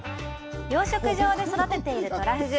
養殖場で育てているトラフグ。